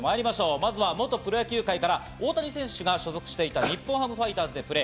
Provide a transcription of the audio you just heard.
まずは元プロ野球界から大谷選手が所属していた日本ハムファイターズでプレー。